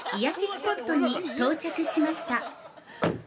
スポットに到着しました。